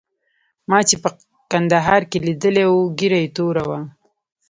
ما چې په کندهار کې لیدلی وو ږیره یې توره وه.